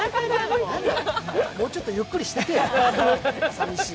もうちょっとゆっくりしてけよ、寂しい。